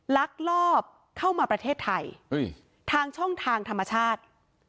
ลักลอบเข้ามาประเทศไทยทางช่องทางธรรมชาติ